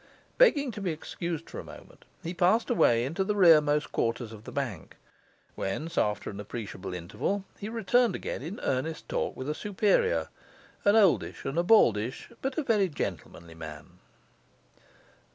Begging to be excused for a moment, he passed away into the rearmost quarters of the bank; whence, after an appreciable interval, he returned again in earnest talk with a superior, an oldish and a baldish, but a very gentlemanly man.